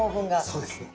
そうですね。